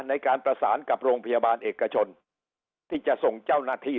ในการประสานกับโรงพยาบาลเอกชนที่จะส่งเจ้าหน้าที่